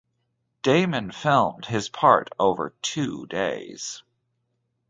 Damon filmed his part over two days.